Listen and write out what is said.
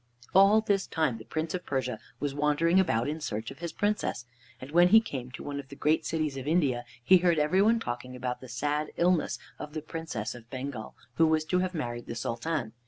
All this time the Prince of Persia was wandering about in search of his Princess, and when he came to one of the great cities of India, he heard every one talking about the sad illness of the Princess of Bengal who was to have married the Sultan.